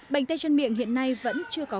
bệnh tay chân miệng hiện nay vẫn chưa được phát triển